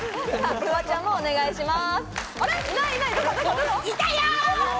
フワちゃんもお願いします。